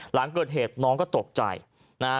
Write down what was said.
หลังเกิดเหตุน้องก็ตกใจนะฮะ